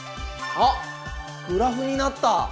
あっグラフになった！